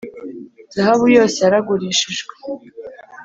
Zahabu yose yaragurishijwe.